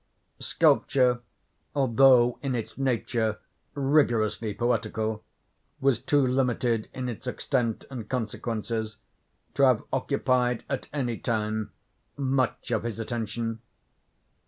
Sculpture, although in its nature rigorously poetical was too limited in its extent and consequences, to have occupied, at any time, much of his attention.